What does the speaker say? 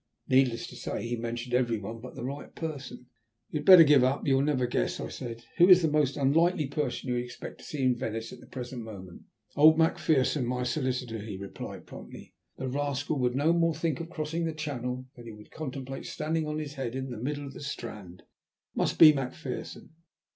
Needless to say he mentioned every one but the right person. "You had better give it up, you will never guess," I said. "Who is the most unlikely person you would expect to see in Venice at the present moment?" "Old Macpherson, my solicitor," he replied promptly. "The rascal would no more think of crossing the Channel than he would contemplate standing on his head in the middle of the Strand. It must be Macpherson."